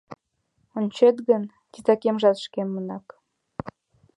Ончет гын, титакемжат шкемынак.